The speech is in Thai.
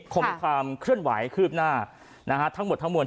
คงมีความเคลื่อนไหวคืบหน้าทั้งหมดทั้งมวล